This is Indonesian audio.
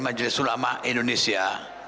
majelis sulamak indonesia